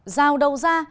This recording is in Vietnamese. giao đầu ra